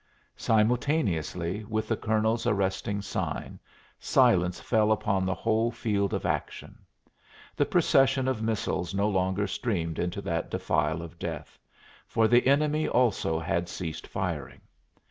Simultaneously with the colonel's arresting sign, silence fell upon the whole field of action. The procession of missiles no longer streamed into that defile of death, for the enemy also had ceased firing.